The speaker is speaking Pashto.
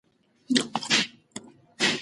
که موږ رښتیا پوه سو نو نه غولېږو.